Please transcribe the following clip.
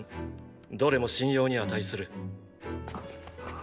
どれも信用に値する。